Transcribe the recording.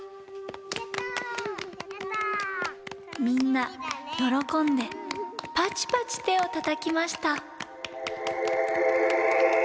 みんなよろこんでパチパチてをたたきました。